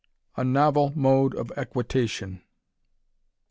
A NOVEL MODE OF EQUITATION.